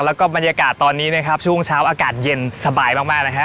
แล้วก็บรรยากาศตอนนี้นะครับช่วงเช้าอากาศเย็นสบายมากนะฮะ